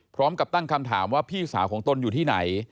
พร้อมกับตั้งคำถามว่าพี่สาวของตนอยู่ที่ไหน